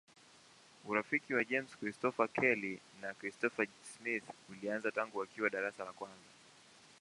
Urafiki wa James Christopher Kelly na Christopher Smith ulianza tangu wakiwa darasa la kwanza.